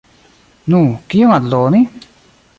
Nu, kion aldoni?